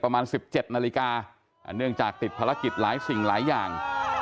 ประมาณ๑๗นาฬิกาเนื่องจากติดภารกิจหลายสิ่งหลายอย่าง